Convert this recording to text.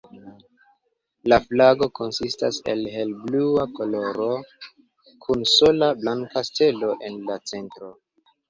La flago konsistas el helblua koloro kun sola blanka stelo en la centro.